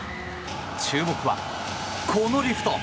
注目は、このリフト。